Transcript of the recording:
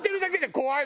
怖い？